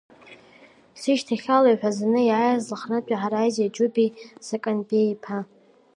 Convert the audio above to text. Сышьҭахьала иҳәазаны иааиз лыхнытәи Ҳаразиа Џьубеи Заканбеииԥа…